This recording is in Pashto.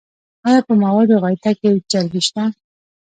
ایا په موادو غایطه کې چربی شته؟